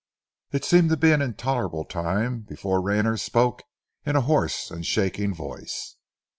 It seemed to be an intolerable time before Rayner spoke in a hoarse and shaking voice.